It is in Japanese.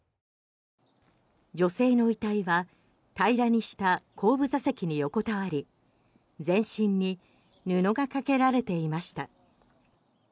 女性の遺体は平らにした後部座席に横たわり全身に布がかけられていました。